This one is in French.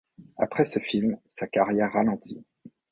Après ce film, sa carrière ralentit.